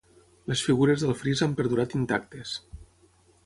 Les figures del fris han perdurat intactes.